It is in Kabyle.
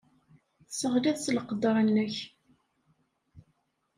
Tesseɣliḍ s leqder-nnek.